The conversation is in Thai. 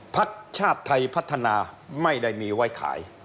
พักชาติไทยพัฒนาไม่ได้มีไว้ขาย